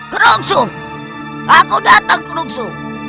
kurungsu aku datang kurungsu